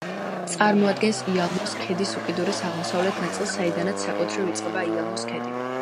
წარმოადგენს იალნოს ქედის უკიდურეს აღმოსავლეთ ნაწილს, საიდანაც საკუთრივ იწყება იალნოს ქედი.